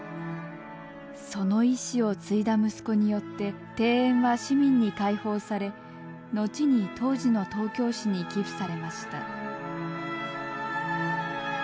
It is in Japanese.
その遺志を継いだ息子によって庭園は市民に開放され後に当時の東京市に寄付されました。